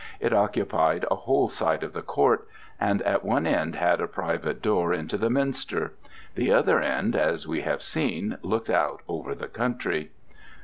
It occupied a whole side of the court, and at one end had a private door into the minster. The other end, as we have seen, looked out over the country.